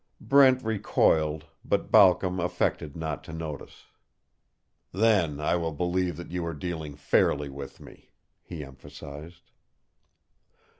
Brent recoiled, but Balcom affected not to notice. "Then I will believe that you are dealing fairly with me," he emphasized.